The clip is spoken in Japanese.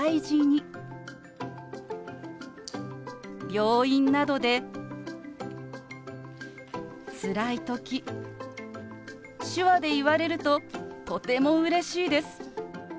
病院などでつらい時手話で言われるととてもうれしいです。